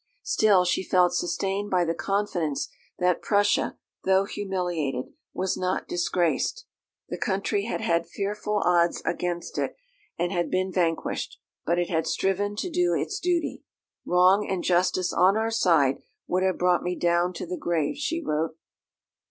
Still she felt sustained by the confidence that Prussia, though humiliated, was not disgraced. The country had had fearful odds against it, and had been vanquished, but it had striven to do its duty. "Wrong and injustice on our side would have brought me down to the grave," she wrote.